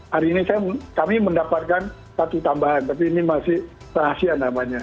hari ini kami mendapatkan satu tambahan tapi ini masih rahasia namanya